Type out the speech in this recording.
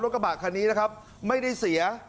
กระบะคันนี้นะครับไม่ได้เสีย